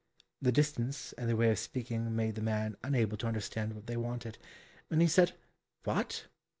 The distance and their way of speaking made the man unable to understand what they wanted, and he said "What?